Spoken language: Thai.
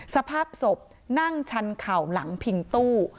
สภาพศพนั่งชันเข่าหลังพิงตู้